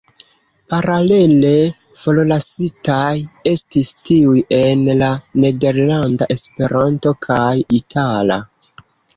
Paralele, forlasitaj estis tiuj en la nederlanda, Esperanto kaj itala.